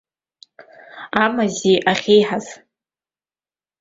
Амазеи ахьеиҳаз.